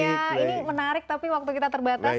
ya ini menarik tapi waktu kita terbatas